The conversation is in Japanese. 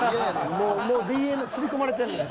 もうＤＮＡ擦り込まれてんねん。